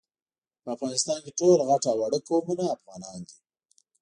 په افغانستان کي ټول غټ او واړه قومونه افغانان دي